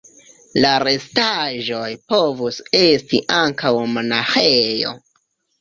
La restaĵoj povus esti ankaŭ monaĥejo.